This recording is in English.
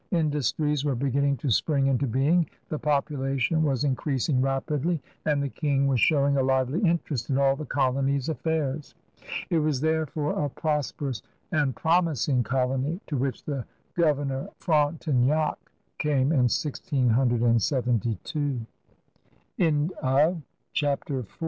Industries were beginning to spring mto being, the population was increasing rapidly, and the King was showing a lively interest in all the colony's affairs. It was therefore a prosperous and promising colony to which Governor Frontenac came in 1672. CHAPTER V THE mON GOVEBNOB The ten years following 1